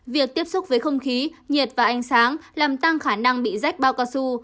việc tiếp xúc với không khí nhiệt và ánh sáng làm tăng khả năng bị rách bao cao su